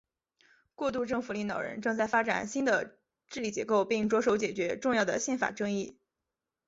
过渡政府领导人正在发展新的治理结构并着手解决重要的宪法争议。